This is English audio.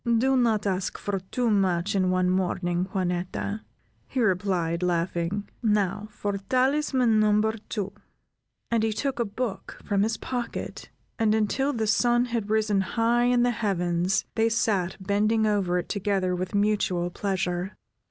"Do not ask for too much in one morning, Juanetta," he replied, laughing. "Now for talisman number two," and he took a book from his pocket, and until the sun had risen high in the heavens, they sat bending over it together with mutual pleasure.